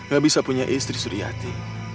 gak bisa punya istri suri hati